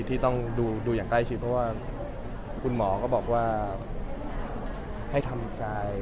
ที่ต้องดูอย่างใกล้ชิดเพราะว่าคุณหมอก็บอกว่าให้ทำกาย